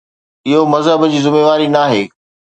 اهو مذهب جي ذميواري ناهي.